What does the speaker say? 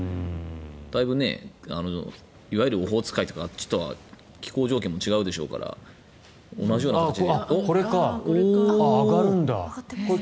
だいぶいわゆるオホーツク海とかあっちとは気候条件も違うでしょうから同じような形では。